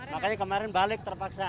makanya kemarin balik terpaksa